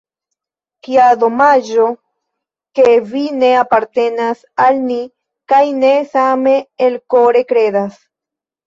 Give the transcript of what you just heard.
Kia domaĝo, ke vi ne apartenas al ni kaj ne same elkore kredas.